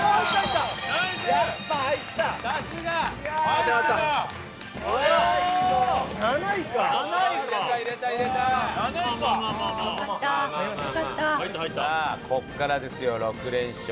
さあここからですよ６連勝。